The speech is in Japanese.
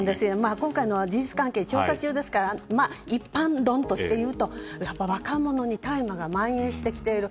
今回は事実関係を調査中ですから一般論として言うとやっぱり若者に大麻が蔓延してきている。